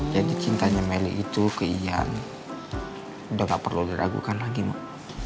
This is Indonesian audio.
jadi cintanya meli itu ke iyan udah gak perlu diragukan lagi mak